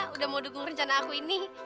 udah mau dukung rencana aku ini